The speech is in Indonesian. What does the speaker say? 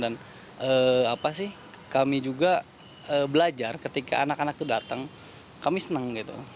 dan apa sih kami juga belajar ketika anak anak itu datang kami senang gitu